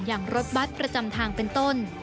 อย่างรถบัตรประจำทางเป็นต้น